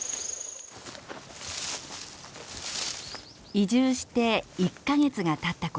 移住して１か月がたった頃。